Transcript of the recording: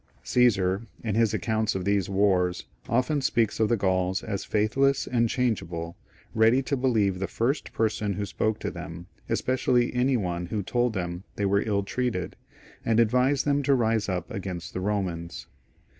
Caesar, in his accounts of these wars, often speaks of the Gauls as faithless and changeable, ready to believe the first person who spoke to them, especially any one who told them they were ill treated, and advised them to rise up against the Bomans.